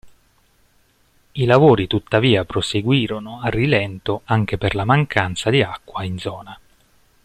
I lavori tuttavia proseguirono a rilento anche per la mancanza di acqua in zona.